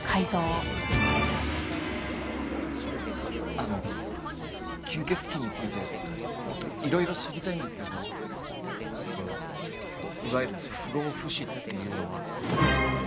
あの吸血鬼についてもっといろいろ知りたいんですけれどもそのいわゆる不老不死っていうのは。